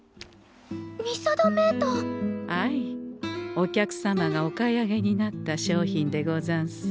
お客様がお買い上げになった商品でござんす。